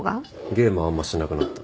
ゲームあんましなくなった。